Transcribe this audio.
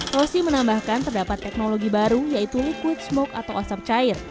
rosi menambahkan terdapat teknologi baru yaitu liquid smoke atau asap cair